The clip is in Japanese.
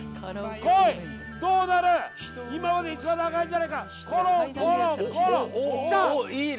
今まで一番長いんじゃないか。